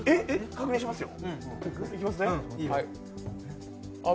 確認しますよ。